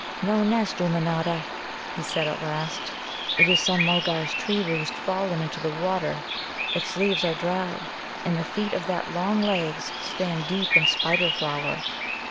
"No nest, Ummanodda," he said at last; "it is some Mulgar's tree roost fallen into the water. Its leaves are dry, and the feet of that long legs stand deep in Spider flower."